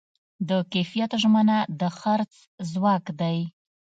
د کیفیت ژمنه د خرڅ ځواک دی.